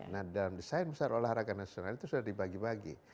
nah dalam desain besar olahraga nasional itu sudah dibagi bagi